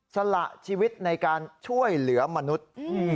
สละชีวิตในการช่วยเหลือมนุษย์